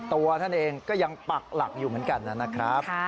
ตัวท่านเองก็ยังปักหลักอยู่เหมือนกันนะครับ